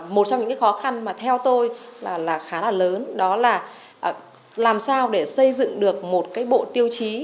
một trong những khó khăn theo tôi khá là lớn đó là làm sao để xây dựng được một bộ tiêu chí